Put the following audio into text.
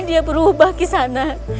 dia berubah ke sana